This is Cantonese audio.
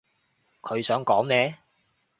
佢想講咩？